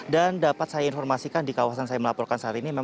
dan dapat saya informasikan di kawasan saya melaporkan saat ini